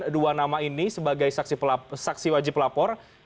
dua nama ini sebagai saksi wajib lapor